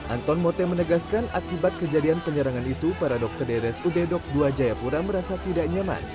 anton mote menegaskan akibat kejadian penyerangan itu para dokter di rsud dok dua jayapura merasa tidak nyaman